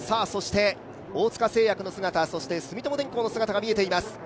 大塚製薬の姿、住友電工の姿が見えています。